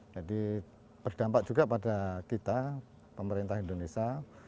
jadi berdampak juga pada kita pemerintah indonesia